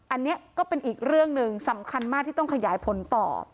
อันนี้ก็เป็นอีกเรื่องหนึ่งสำคัญมากที่ต้องขยายผลต่อ